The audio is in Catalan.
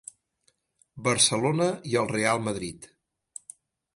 Barcelona i el Real Madrid.